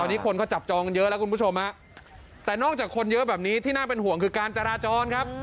ตอนนี้คนเขาจับจองกันเยอะแล้วคุณผู้ชมฮะแต่นอกจากคนเยอะแบบนี้ที่น่าเป็นห่วงคือการจราจรครับ